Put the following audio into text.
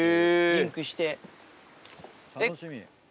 リンクして。